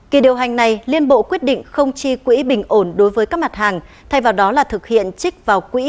kỳ điều hành này liên bộ quyết định không chi quỹ bình ổn đối với các mặt hàng thay vào đó là thực hiện trích vào quỹ